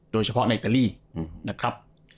โดยเฉพาะในอิตาลีนะครับ